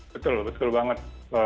betul betul banget